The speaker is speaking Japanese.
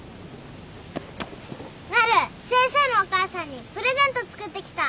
なる先生のお母さんにプレゼント作ってきた。